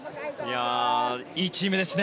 いいチームですね